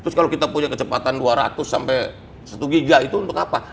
terus kalau kita punya kecepatan dua ratus sampai satu giga itu untuk apa